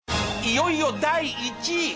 いよいよ第１位。